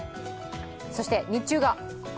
そして日中が。